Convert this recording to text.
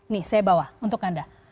nih saya bawa untuk anda